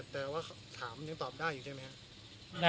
แต่ว่าถามยังตอบได้อยู่ใช่ไหมครับ